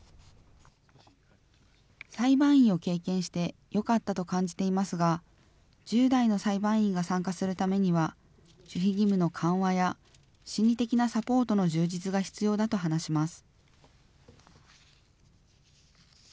裁判員を経験してよかったと感じていますが、１０代の裁判員が参加するためには、守秘義務の緩和や、心理的なサポートの充実が必要だと話します。